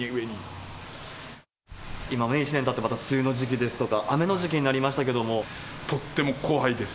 今１年たって、また梅雨の時期ですとか、雨の時期になりましたけれども、とっても怖いです。